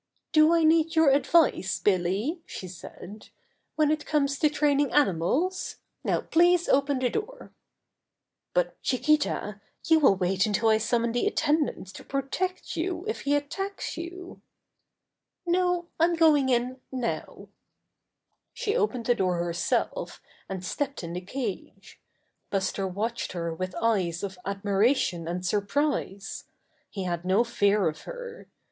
"Do I need your advice, Billy," she said, "when it comes to training animals? Now please open the door." "But, Chiquita, you will wait until I sum mon the attendants to protect you if he at tacks you." "No, I'm going in now." She opened the door herself and stepped in the cage. Buster watched her with eyes of admiration and surprise. He had no fear of Buster's First Public Appearance 87 her.